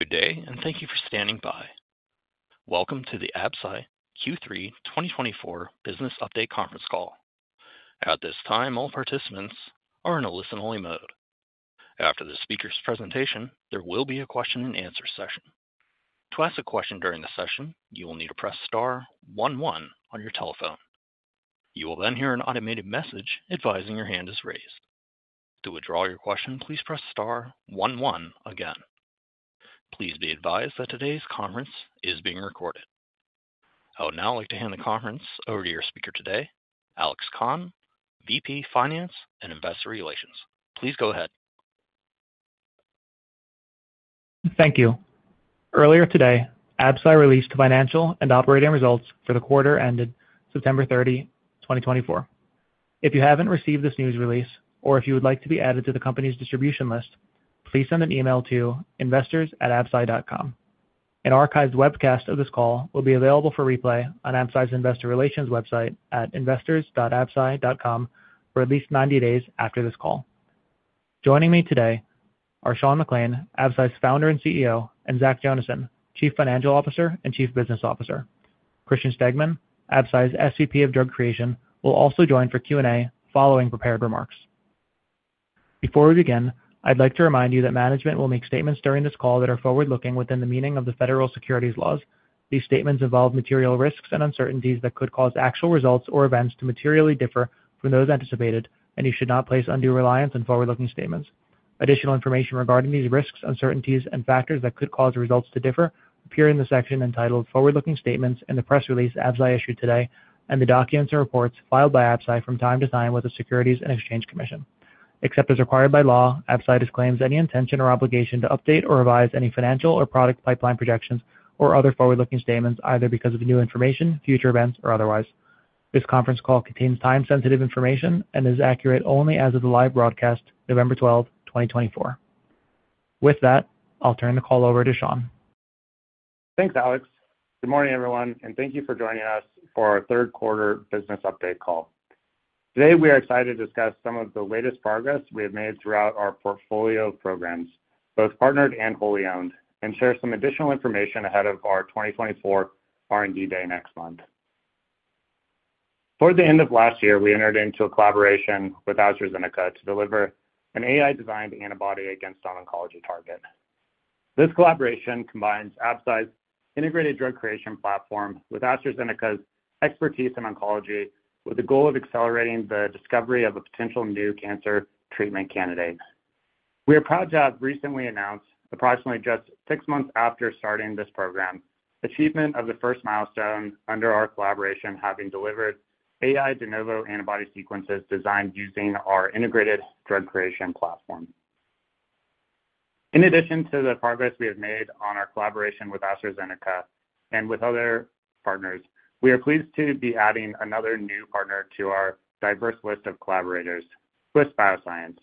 Good day, and thank you for standing by. Welcome to the Absci Q3 2024 Business Update Conference Call. At this time, all participants are in a listen-only mode. After the speaker's presentation, there will be a question-and-answer session. To ask a question during the session, you will need to press star one one on your telephone. You will then hear an automated message advising your hand is raised. To withdraw your question, please press star one one again. Please be advised that today's conference is being recorded. I would now like to hand the conference over to your speaker today, Alex Khan, VP Finance and Investor Relations. Please go ahead. Thank you. Earlier today, Absci released financial and operating results for the quarter ended September 30, 2024. If you haven't received this news release, or if you would like to be added to the company's distribution list, please send an email to investors@absci.com. An archived webcast of this call will be available for replay on Absci's Investor Relations website at investors.absci.com for at least 90 days after this call. Joining me today are Sean McClain, Absci's founder and CEO, and Zach Jonasson, Chief Financial Officer and Chief Business Officer. Christian Stegmann, Absci's SVP of Drug Creation, will also join for Q&A following prepared remarks. Before we begin, I'd like to remind you that management will make statements during this call that are forward-looking within the meaning of the federal securities laws. These statements involve material risks and uncertainties that could cause actual results or events to materially differ from those anticipated, and you should not place undue reliance on forward-looking statements. Additional information regarding these risks, uncertainties, and factors that could cause results to differ appears in the section entitled Forward-Looking Statements in the press release Absci issued today, and the documents and reports filed by Absci from time to time with the Securities and Exchange Commission. Except as required by law, Absci disclaims any intention or obligation to update or revise any financial or product pipeline projections or other forward-looking statements, either because of new information, future events, or otherwise. This conference call contains time-sensitive information and is accurate only as of the live broadcast November 12, 2024. With that, I'll turn the call over to Sean. Thanks, Alex. Good morning, everyone, and thank you for joining us for our third quarter business update call. Today, we are excited to discuss some of the latest progress we have made throughout our portfolio of programs, both partnered and wholly owned, and share some additional information ahead of our 2024 R&D Day next month. Toward the end of last year, we entered into a collaboration with AstraZeneca to deliver an AI-designed antibody against a novel oncology target. This collaboration combines Absci's integrated drug creation platform with AstraZeneca's expertise in oncology, with the goal of accelerating the discovery of a potential new cancer treatment candidate. We are proud to have recently announced, approximately just six months after starting this program, achievement of the first milestone under our collaboration, having delivered AI de novo antibody sequences designed using our integrated drug creation platform. In addition to the progress we have made on our collaboration with AstraZeneca and with other partners, we are pleased to be adding another new partner to our diverse list of collaborators, Twist Bioscience.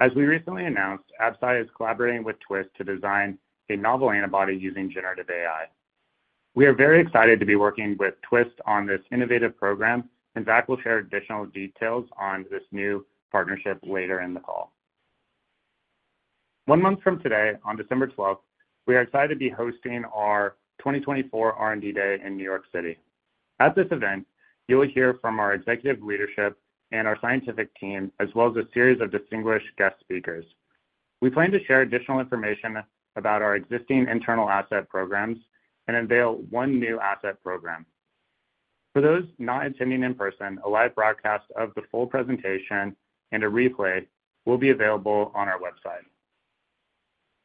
As we recently announced, Absci is collaborating with Twist to design a novel antibody using generative AI. We are very excited to be working with Twist on this innovative program, and Zach will share additional details on this new partnership later in the call. One month from today, on December 12, we are excited to be hosting our 2024 R&D Day in New York City. At this event, you'll hear from our executive leadership and our scientific team, as well as a series of distinguished guest speakers. We plan to share additional information about our existing internal asset programs and unveil one new asset program. For those not attending in person, a live broadcast of the full presentation and a replay will be available on our website.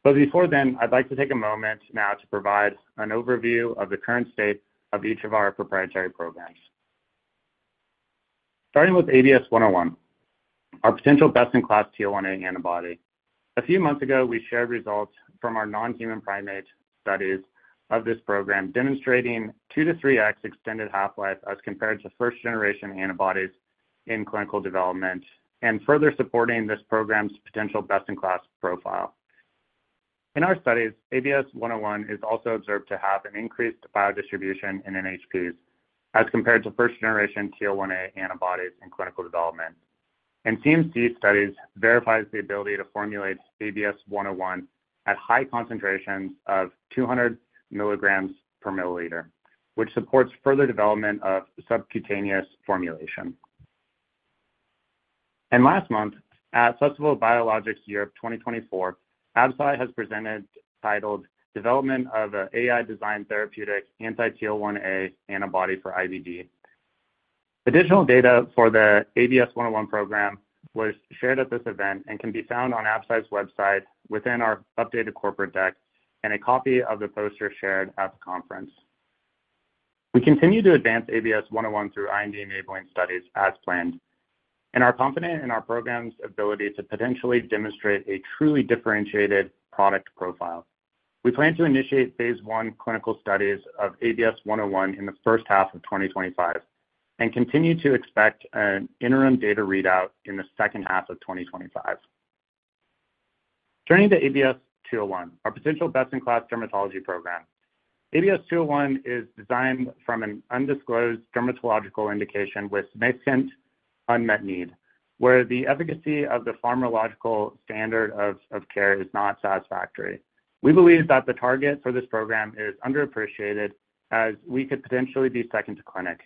But before then, I'd like to take a moment now to provide an overview of the current state of each of our proprietary programs. Starting with ABS-101, our potential best-in-class TL1A antibody. A few months ago, we shared results from our non-human primate studies of this program, demonstrating 2x to 3x extended half-life as compared to first-generation antibodies in clinical development and further supporting this program's potential best-in-class profile. In our studies, ABS-101 is also observed to have an increased biodistribution in NHPs as compared to first-generation TL1A antibodies in clinical development. And CMC studies verify the ability to formulate ABS-101 at high concentrations of 200 milligrams per milliliter, which supports further development of subcutaneous formulation. And last month, at Festival of Biologics Europe 2024, Absci has presented titled Development of an AI-designed therapeutic anti-TL1A antibody for IBD. Additional data for the ABS-101 program was shared at this event and can be found on Absci's website within our updated corporate deck and a copy of the poster shared at the conference. We continue to advance ABS-101 through IND-enabling studies as planned, and are confident in our program's ability to potentially demonstrate a truly differentiated product profile. We plan to initiate phase I clinical studies of ABS-101 in the first half of 2025 and continue to expect an interim data readout in the second half of 2025. Turning to ABS-201, our potential best-in-class dermatology program, ABS-201 is designed from an undisclosed dermatological indication with significant unmet need, where the efficacy of the pharmacological standard of care is not satisfactory. We believe that the target for this program is underappreciated, as we could potentially be second to clinic,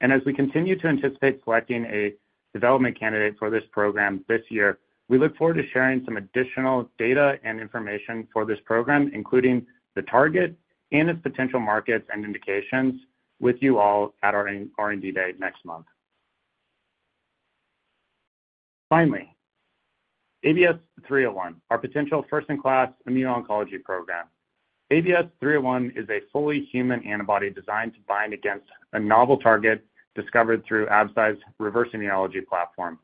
and as we continue to anticipate selecting a development candidate for this program this year, we look forward to sharing some additional data and information for this program, including the target and its potential markets and indications with you all at our R&D Day next month. Finally, ABS-301, our potential first-in-class immuno-oncology program. ABS-301 is a fully human antibody designed to bind against a novel target discovered through Absci's reverse immunology platform.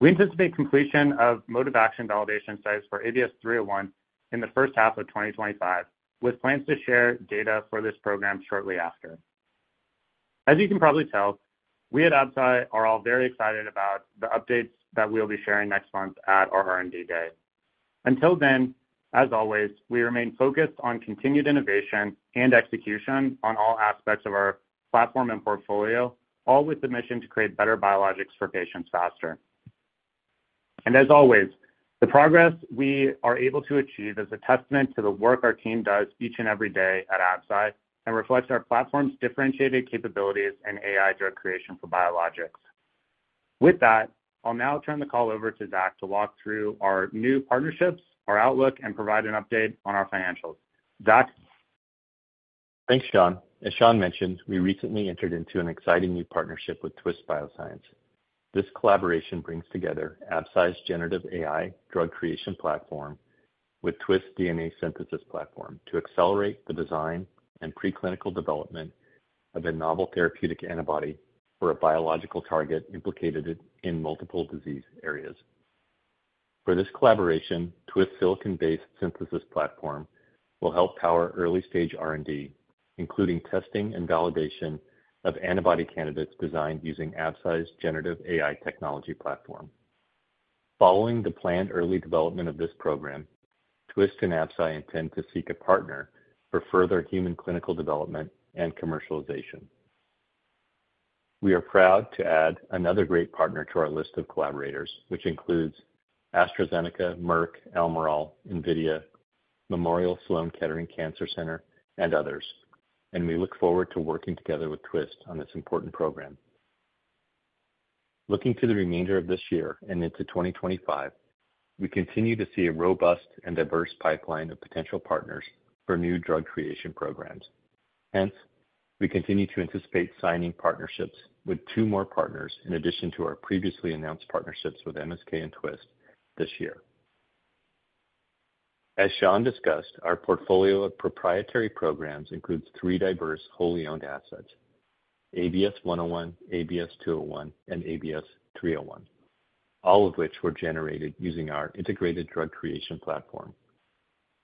We anticipate completion of mode of action validation studies for ABS-301 in the first half of 2025, with plans to share data for this program shortly after. As you can probably tell, we at Absci are all very excited about the updates that we'll be sharing next month at our R&D Day. Until then, as always, we remain focused on continued innovation and execution on all aspects of our platform and portfolio, all with the mission to create better biologics for patients faster, and as always, the progress we are able to achieve is a testament to the work our team does each and every day at Absci and reflects our platform's differentiated capabilities in AI drug creation for biologics. With that, I'll now turn the call over to Zach to walk through our new partnerships, our outlook, and provide an update on our financials. Zach. Thanks, Sean. As Sean mentioned, we recently entered into an exciting new partnership with Twist Bioscience. This collaboration brings together Absci's generative AI drug creation platform with Twist's DNA synthesis platform to accelerate the design and preclinical development of a novel therapeutic antibody for a biological target implicated in multiple disease areas. For this collaboration, Twist's silicon-based synthesis platform will help power early-stage R&D, including testing and validation of antibody candidates designed using Absci's generative AI technology platform. Following the planned early development of this program, Twist and Absci intend to seek a partner for further human clinical development and commercialization. We are proud to add another great partner to our list of collaborators, which includes AstraZeneca, Merck, Almirall, NVIDIA, Memorial Sloan Kettering Cancer Center, and others, and we look forward to working together with Twist on this important program. Looking to the remainder of this year and into 2025, we continue to see a robust and diverse pipeline of potential partners for new drug creation programs. Hence, we continue to anticipate signing partnerships with two more partners in addition to our previously announced partnerships with MSK and Twist this year. As Sean discussed, our portfolio of proprietary programs includes three diverse wholly owned assets: ABS-101, ABS-201, and ABS-301, all of which were generated using our integrated drug creation platform.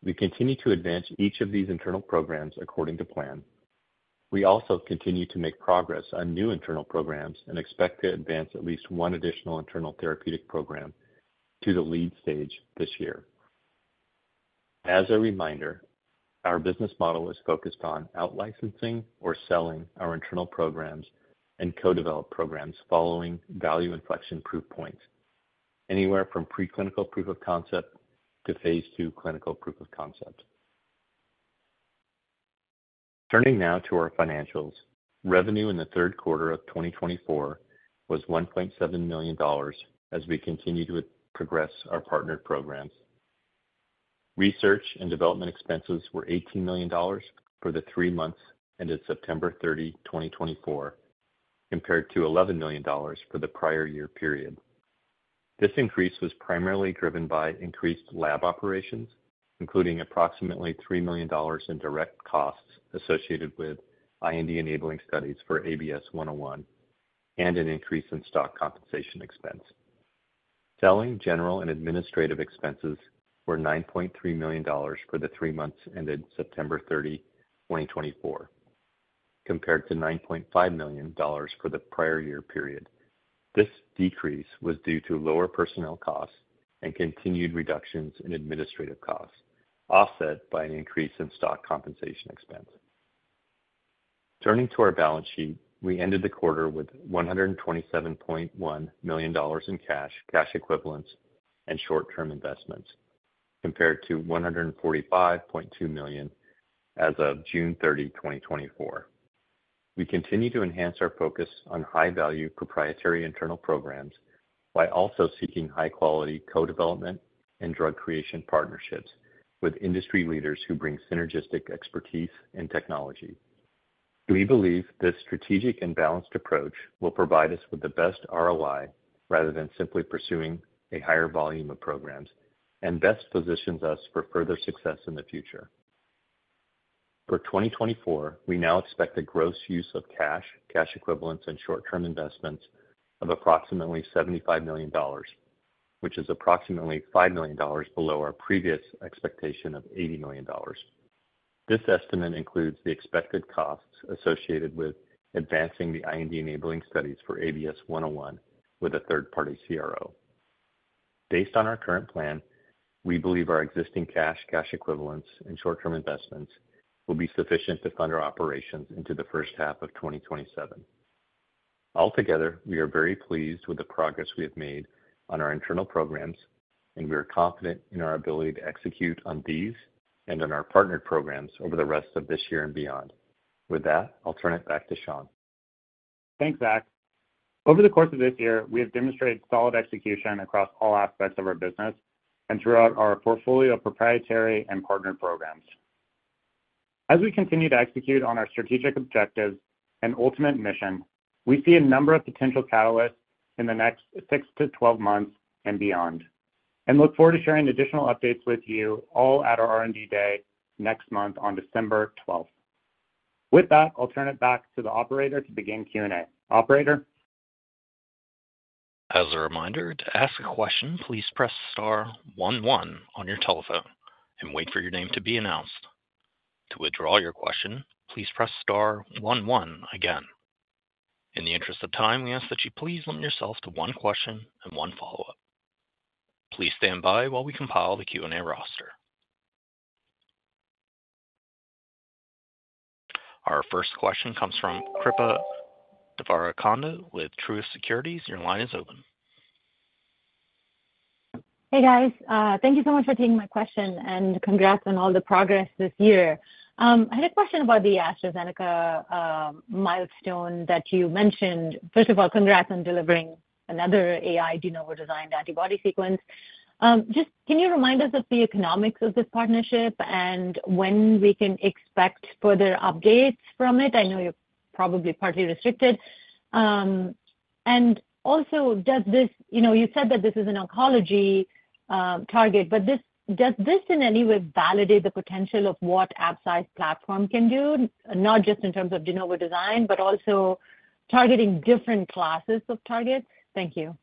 We continue to advance each of these internal programs according to plan. We also continue to make progress on new internal programs and expect to advance at least one additional internal therapeutic program to the lead stage this year. As a reminder, our business model is focused on outlicensing or selling our internal programs and co-develop programs following value inflection proof points, anywhere from preclinical proof of concept to phase II clinical proof of concept. Turning now to our financials, revenue in the third quarter of 2024 was $1.7 million as we continue to progress our partnered programs. Research and development expenses were $18 million for the three months ended September 30, 2024, compared to $11 million for the prior year period. This increase was primarily driven by increased lab operations, including approximately $3 million in direct costs associated with IND-enabling studies for ABS-101 and an increase in stock compensation expense. Selling general and administrative expenses were $9.3 million for the three months ended September 30, 2024, compared to $9.5 million for the prior year period. This decrease was due to lower personnel costs and continued reductions in administrative costs, offset by an increase in stock compensation expense. Turning to our balance sheet, we ended the quarter with $127.1 million in cash, cash equivalents, and short-term investments, compared to $145.2 million as of June 30, 2024. We continue to enhance our focus on high-value proprietary internal programs by also seeking high-quality co-development and drug creation partnerships with industry leaders who bring synergistic expertise and technology. We believe this strategic and balanced approach will provide us with the best ROI rather than simply pursuing a higher volume of programs and best positions us for further success in the future. For 2024, we now expect a gross use of cash, cash equivalents, and short-term investments of approximately $75 million, which is approximately $5 million below our previous expectation of $80 million. This estimate includes the expected costs associated with advancing the IND-enabling studies for ABS-101 with a third-party CRO. Based on our current plan, we believe our existing cash, cash equivalents, and short-term investments will be sufficient to fund our operations into the first half of 2027. Altogether, we are very pleased with the progress we have made on our internal programs, and we are confident in our ability to execute on these and on our partnered programs over the rest of this year and beyond. With that, I'll turn it back to Sean. Thanks, Zach. Over the course of this year, we have demonstrated solid execution across all aspects of our business and throughout our portfolio of proprietary and partnered programs. As we continue to execute on our strategic objectives and ultimate mission, we see a number of potential catalysts in the next six to 12 months and beyond, and look forward to sharing additional updates with you all at our R&D Day next month on December 12. With that, I'll turn it back to the operator to begin Q&A. Operator. As a reminder, to ask a question, please press star one one on your telephone and wait for your name to be announced. To withdraw your question, please press star one one again. In the interest of time, we ask that you please limit yourself to one question and one follow-up. Please stand by while we compile the Q&A roster. Our first question comes from Kripa Devarakonda with Truist Securities. Your line is open. Hey, guys. Thank you so much for taking my question and congrats on all the progress this year. I had a question about the AstraZeneca milestone that you mentioned. First of all, congrats on delivering another AI de novo designed antibody sequence. Just can you remind us of the economics of this partnership and when we can expect further updates from it? I know you're probably partly restricted. And also, does this, you know, you said that this is an oncology target, but does this in any way validate the potential of what Absci's platform can do, not just in terms of de novo design, but also targeting different classes of targets? Thank you.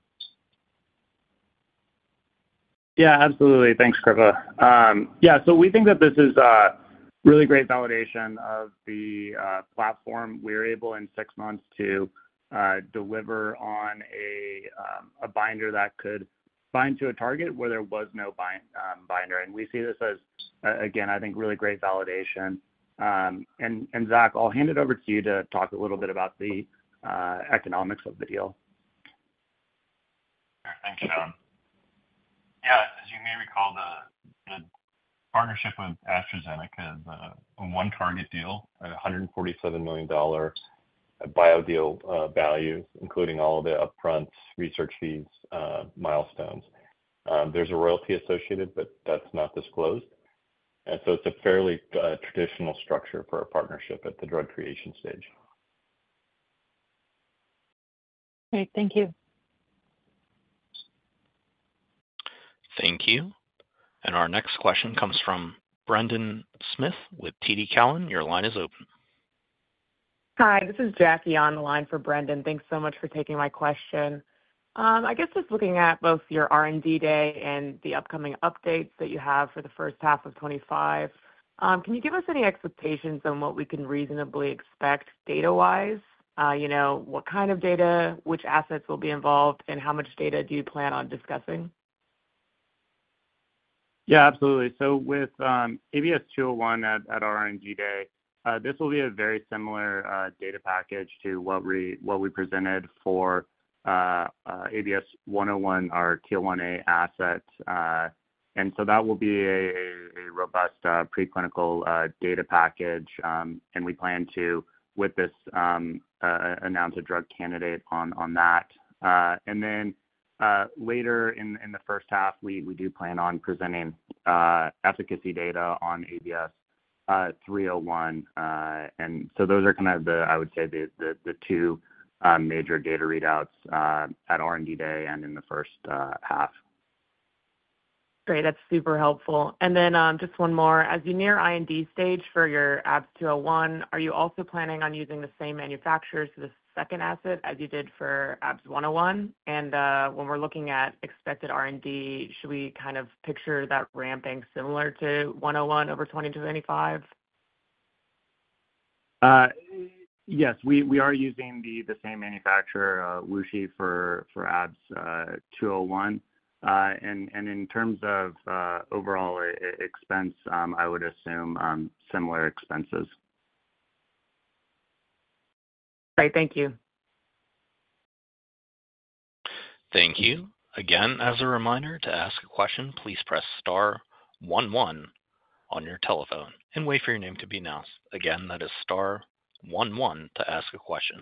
Yeah, absolutely. Thanks, Kripa. Yeah, so we think that this is a really great validation of the platform. We're able in six months to deliver on a binder that could bind to a target where there was no binder. And we see this as, again, I think, really great validation. And Zach, I'll hand it over to you to talk a little bit about the economics of the deal. Thanks, Sean. Yeah, as you may recall, the partnership with AstraZeneca is a one-target deal, a $147 million bio deal value, including all of the upfront research fees milestones. There's a royalty associated, but that's not disclosed. And so it's a fairly traditional structure for our partnership at the drug creation stage. Great. Thank you. Thank you. And our next question comes from Brendan Smith with TD Cowen. Your line is open. Hi, this is Jackie on the line for Brendan. Thanks so much for taking my question. I guess just looking at both your R&D Day and the upcoming updates that you have for the first half of 2025, can you give us any expectations on what we can reasonably expect data-wise? You know, what kind of data, which assets will be involved, and how much data do you plan on discussing? Yeah, absolutely. So with ABS-201 at our R&D Day, this will be a very similar data package to what we presented for ABS-101, our TL1A asset. And so that will be a robust preclinical data package. And we plan to, with this, announce a drug candidate on that. And then later in the first half, we do plan on presenting efficacy data on ABS-301. And so those are kind of the, I would say, the two major data readouts at R&D Day and in the first half. Great. That's super helpful. And then just one more. As you near IND stage for your ABS-201, are you also planning on using the same manufacturers for the second asset as you did for ABS-101? And when we're looking at expected R&D, should we kind of picture that ramping similar to 101 over 2025? Yes, we are using the same manufacturer, WuXi, for ABS-201, and in terms of overall expense, I would assume similar expenses. Great. Thank you. Thank you. Again, as a reminder, to ask a question, please press star one one on your telephone and wait for your name to be announced. Again, that is star one one to ask a question.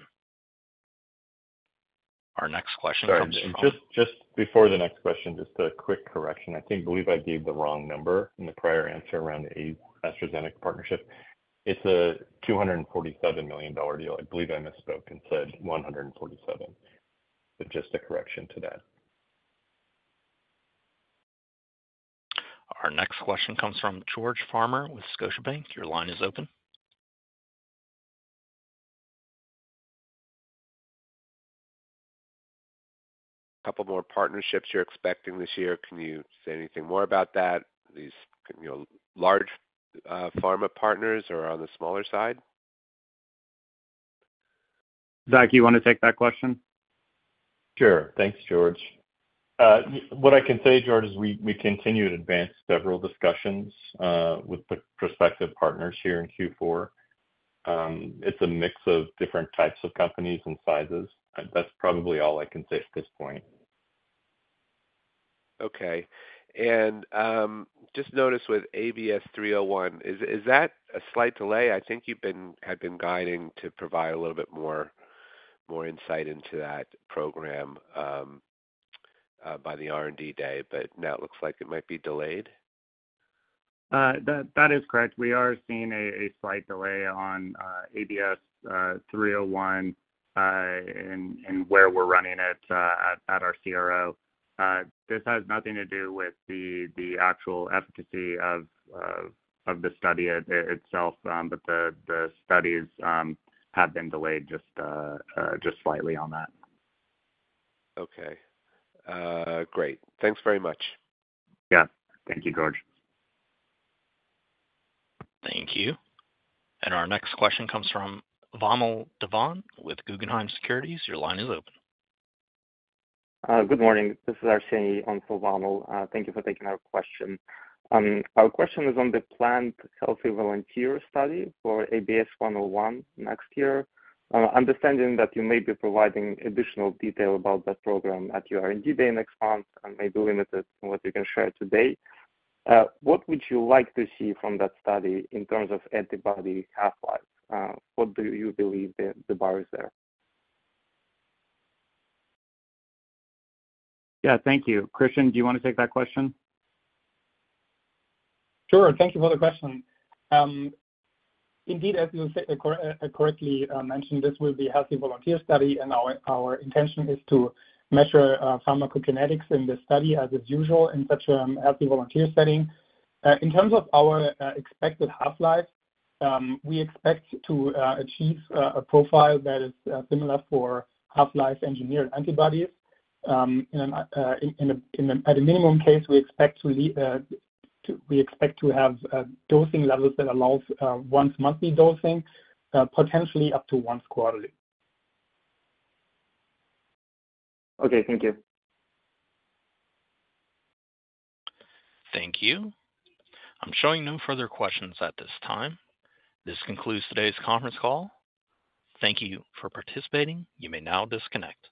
Our next question comes from. Just before the next question, just a quick correction. I believe I gave the wrong number in the prior answer around the AstraZeneca partnership. It's a $247 million deal. I believe I misspoke and said $147. So just a correction to that. Our next question comes from George Farmer with Scotiabank. Your line is open. A couple more partnerships you're expecting this year. Can you say anything more about that? These large pharma partners or on the smaller side? Zach, you want to take that question? Sure. Thanks, George. What I can say, George, is we continue to advance several discussions with prospective partners here in Q4. It's a mix of different types of companies and sizes. That's probably all I can say at this point. Okay, and just notice with ABS-301, is that a slight delay? I think you had been guiding to provide a little bit more insight into that program by the R&D Day, but now it looks like it might be delayed. That is correct. We are seeing a slight delay on ABS-301 and where we're running it at our CRO. This has nothing to do with the actual efficacy of the study itself, but the studies have been delayed just slightly on that. Okay. Great. Thanks very much. Yeah. Thank you, George. Thank you. And our next question comes from Vamil Divan with Guggenheim Securities. Your line is open. Good morning. This is Arseniy on behalf of Vamil. Thank you for taking our question. Our question is on the planned healthy volunteer study for ABS-101 next year. Understanding that you may be providing additional detail about that program at your R&D Day next month and may be limited in what you can share today, what would you like to see from that study in terms of antibody half-life? What do you believe the bar is there? Yeah, thank you. Christian, do you want to take that question? Sure. Thank you for the question. Indeed, as you correctly mentioned, this will be a healthy volunteer study, and our intention is to measure pharmacokinetics in this study as is usual in such a healthy volunteer setting. In terms of our expected half-life, we expect to achieve a profile that is similar for half-life engineered antibodies. At a minimum case, we expect to have dosing levels that allow once-monthly dosing, potentially up to once quarterly. Okay. Thank you. Thank you. I'm showing no further questions at this time. This concludes today's conference call. Thank you for participating. You may now disconnect.